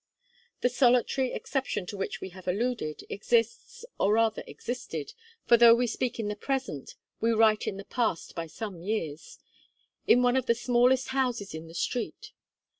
The solitary exception to which we have alluded, exists, or rather existed, for though we speak in the present, we write in the past by some years, in one of the smallest houses in the street.